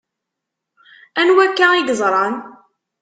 Anwa akka i yeẓran?